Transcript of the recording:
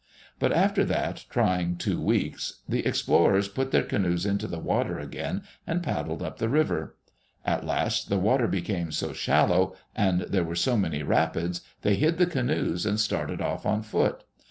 But after that trying two weeks, the explorers put their canoes into the water again and paddled up the river. At last the water became so shallow, and there were so many rapids, they hid the canoes and started off on foot.